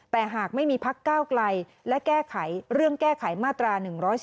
แต่หากไม่มีพักก้าวไกลและแก้ไขเรื่องแก้ไขมาตรา๑๔